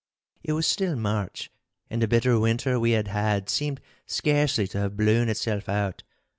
It was still March, and the bitter winter we had had seemed scarcely to have blown itself out.